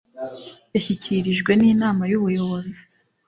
yashyikirijwe n inama y ubuyobozi